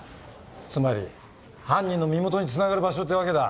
つまり犯人の身元につながる場所ってわけだ。